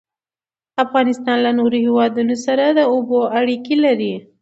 افغانستان له نورو هیوادونو سره د اوبو اړیکې لري.